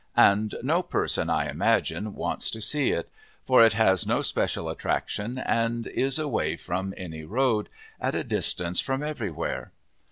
And no person, I imagine, wants to see it; for it has no special attraction and is away from any road, at a distance from everywhere.